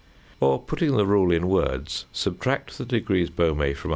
or putting the rule in words, subtract the degrees Baumé from 144.